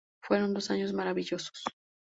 Fueron dos años maravillosos".